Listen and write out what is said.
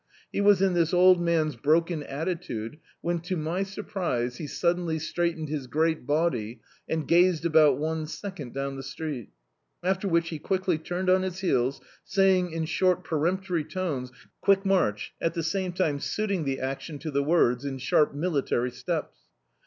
He was in this old man's broken attitude when, to my sur prise, he suddenly straightened his great body, and gazed about one second down the street After which he quickly turned on his heels, saying, in short peremptory tones — "Quick march," at the same time suiting the action to the words, in sharp mili tary steps.